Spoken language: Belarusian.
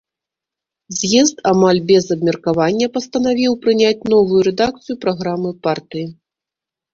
З'езд амаль без абмеркавання пастанавіў прыняць новую рэдакцыю праграмы партыі.